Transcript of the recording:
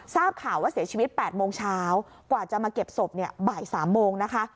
ทราบข่าวว่าเสียชีวิต๘โมงเช้ากว่าจะมาเก็บศพบ่าย๓โมงนะคะ